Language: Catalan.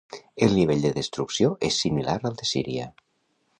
El nivell de destrucció és similar al de Síria.